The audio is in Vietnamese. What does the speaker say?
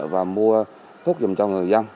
và mua thuốc dùm cho người dân